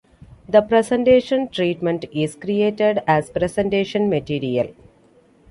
The presentation treatment is created as presentation material.